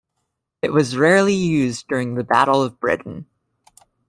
It was rarely used during the Battle of Britain.